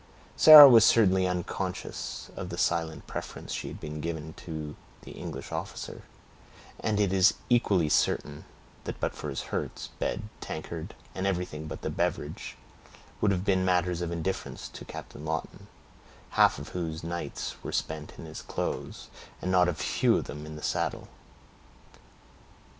Sarah was certainly unconscious of the silent preference she had been giving to the English officer; and it is equally certain, that but for his hurts, bed, tankard, and everything but the beverage would have been matters of indifference to Captain Lawton, half of whose nights were spent in his clothes, and not a few of them in the saddle.